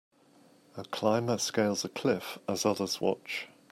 A climber scales a cliff as others watch.